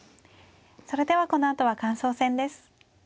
それではこのあとは感想戦です。